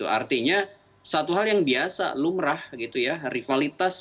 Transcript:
artinya satu hal yang biasa lumrah rivalitas